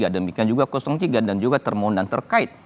demikian juga tiga dan juga termohonan terkait